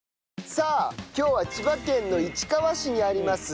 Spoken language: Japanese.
さあ今日は千葉県の市川市にあります